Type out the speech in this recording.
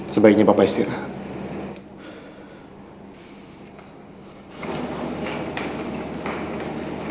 sebaiknya papa istirahat